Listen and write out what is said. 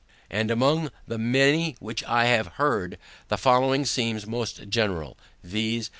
And among the many which I have heard, the following seems most general, viz.